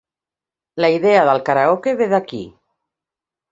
La idea del karaoke ve d'aquí.